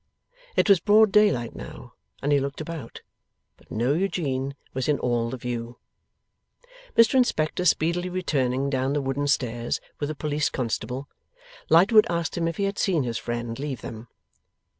It was broad daylight now, and he looked about. But no Eugene was in all the view. Mr Inspector speedily returning down the wooden stairs, with a police constable, Lightwood asked him if he had seen his friend leave them?